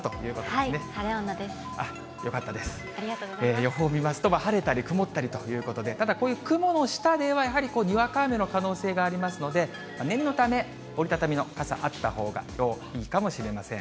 予報を見ますと、晴れたり曇ったりということで、ただ、こういう雲の下ではやはりにわか雨の可能性がありますので、念のため、折り畳みの傘、あったほうがきょういいかもしれません。